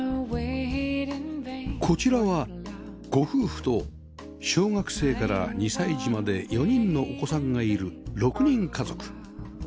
こちらはご夫婦と小学生から２歳児まで４人のお子さんがいる６人家族